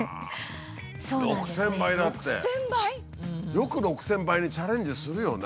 よく６，０００倍にチャレンジするよね。